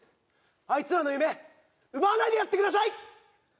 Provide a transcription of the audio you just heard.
あいつらの夢奪わないでやってください！